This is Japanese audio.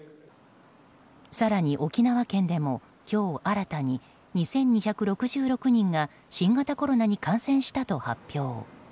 更に沖縄県でも、今日新たに２２６６人が新型コロナに感染したと発表。